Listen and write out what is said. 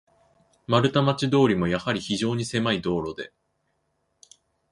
丸太町通も、やはり非常にせまい道路で、